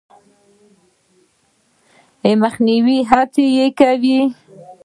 د مخنیوي هڅه یې کوي.